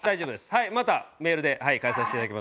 はいまたメールで返させていただきます。